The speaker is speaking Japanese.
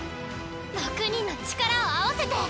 ６人の力を合わせて。